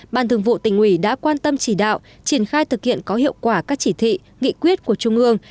ban thường vụ tỉnh ủy đã quan tâm chỉ đạo triển khai thực hiện có hiệu quả các chỉ thị nghị quyết của trung ương